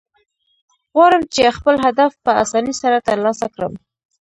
غواړم، چي خپل هدف په آساني سره ترلاسه کړم.